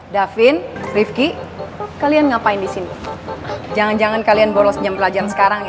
da vin rifqi kalian ngapain di sini jangan jangan kalian borosnya belajar sekarang ya